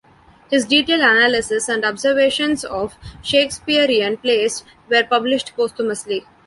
His detailed analyses and observations of Shakespearean plays were published posthumously.